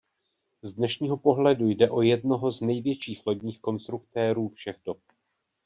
Z dnešního pohledu jde o jednoho z největších lodních konstruktérů všech dob.